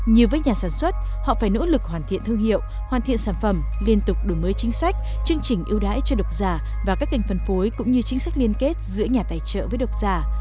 như với nhà sản xuất họ phải nỗ lực hoàn thiện thương hiệu hoàn thiện sản phẩm liên tục đổi mới chính sách chương trình ưu đãi cho độc giả và các kênh phân phối cũng như chính sách liên kết giữa nhà tài trợ với độc giả